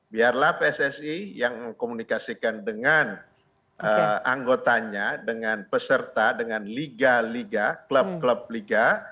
biarlah pssi yang mengkomunikasikan dengan anggotanya dengan peserta dengan liga liga klub klub liga